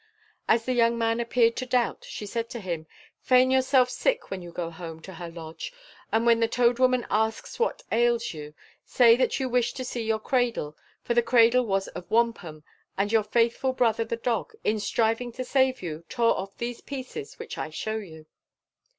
As the young man appeared to doubt, she said to him: "Feign yourself sick when you go home to her lodge; and when the Toad Woman asks what ails you, say that you wish to see your cradle; for your cradle was of wampum, and your faithful brother the dog, in striving to save you, tore off these pieces which I show you."